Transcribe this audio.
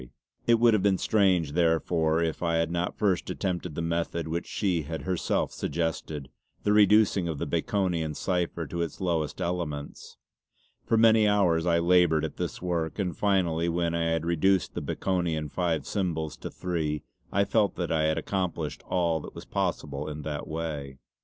It would have been strange therefore if I had not first attempted the method which she had herself suggested, the reducing the Baconian cipher to its lowest elements. For many hours I laboured at this work, and finally when I had reduced the Baconian five symbols to three I felt that I had accomplished all that was possible in that way.